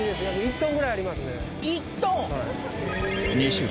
１トンぐらいありますね。